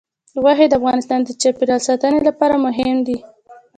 غوښې د افغانستان د چاپیریال ساتنې لپاره مهم دي.